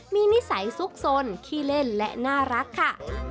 มีนิสัยซุกสนขี้เล่นและน่ารักค่ะ